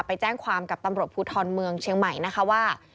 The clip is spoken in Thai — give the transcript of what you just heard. ไปแจ้งความกับตำรวจภูทรเมืองเชียงใหม่นะคะว่า